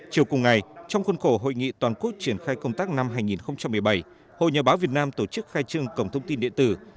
chiều cùng ngày trong khuôn khổ hội nghị toàn quốc triển khai công tác năm hai nghìn một mươi bảy hội nhà báo việt nam tổ chức khai trương cổng thông tin điện tử